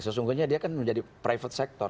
sesungguhnya dia kan menjadi private sector